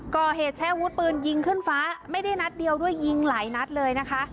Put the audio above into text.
ก่อเหตุใช้อาวุธปืนยิงขึ้นฟ้าไม่ได้นัดเดียวด้วยยิงหลายนัดเลยนะคะ